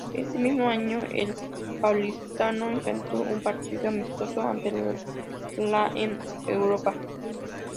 Ese mismo año, el Paulistano enfrentó un partido amistoso ante la en Europa.